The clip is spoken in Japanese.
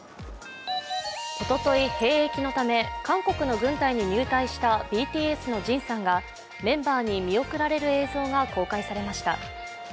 おととい兵役のため韓国の軍隊に入隊したＢＴＳのＪＩＮさんがメンバーに見送られる映像が公開されました。